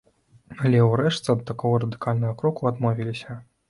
Але ўрэшце ад такога радыкальнага кроку адмовіліся.